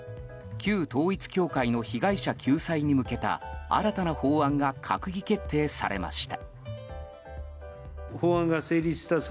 旧統一教会の被害者救済に向けた新たな法案が閣議決定されました。